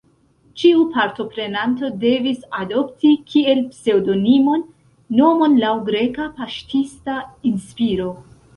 Ĉiu partoprenanto devis adopti, kiel pseŭdonimon, nomon laŭ greka paŝtista inspiro.